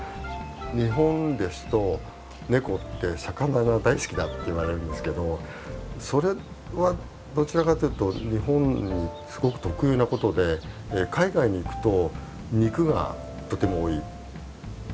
日本ですとネコって魚が大好きだって言われるんですけどそれはどちらかというと日本すごく特有なことで海外に行くと肉がとても多い。